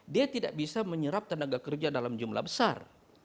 dia tidak bisa menyerap tenaga kerja dalam jumlah besar